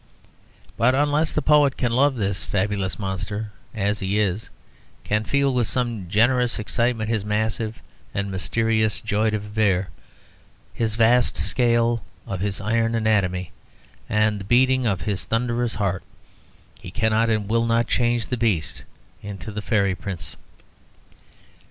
But unless the poet can love this fabulous monster as he is, can feel with some generous excitement his massive and mysterious joie de vivre, the vast scale of his iron anatomy and the beating of his thunderous heart, he cannot and will not change the beast into the fairy prince.